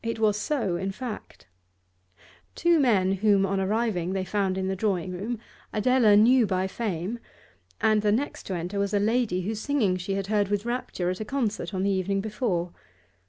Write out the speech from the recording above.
It was so, in fact. Two men whom, on arriving, they found in the drawing room Adela knew by fame, and the next to enter was a lady whose singing she had heard with rapture at a concert on the evening before.